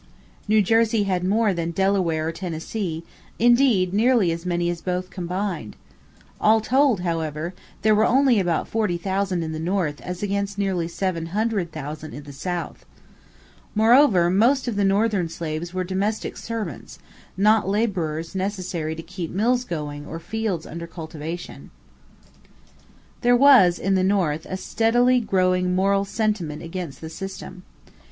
New Jersey had more than Delaware or Tennessee, indeed nearly as many as both combined. All told, however, there were only about forty thousand in the North as against nearly seven hundred thousand in the South. Moreover, most of the Northern slaves were domestic servants, not laborers necessary to keep mills going or fields under cultivation. There was, in the North, a steadily growing moral sentiment against the system.